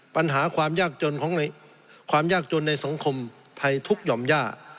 ปัญหาความยากจนในสังคมไทยทุกข์หย่อมย่า